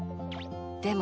でも。